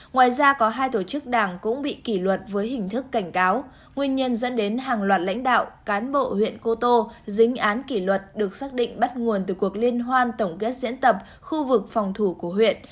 ngoài ra có hai tổ chức đảng cũng bị kỷ luật với hình thức cảnh cáo nguyên nhân dẫn đến hàng loạt lãnh đạo cán bộ huyện cô tô dính án kỷ luật được xác định bắt nguồn từ cuộc liên hoan tổng kết diễn tập khu vực phòng thủ của huyện